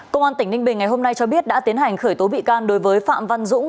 công an tỉnh ninh bình ngày hôm nay cho biết đã tiến hành khởi tố bị can đối với phạm văn dũng